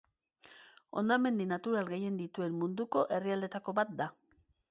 Hondamendi natural gehien dituen munduko herrialdeetako bat da.